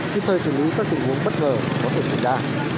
kịp thời xử lý các tình huống bất ngờ có thể xảy ra